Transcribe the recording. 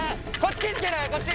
こっち。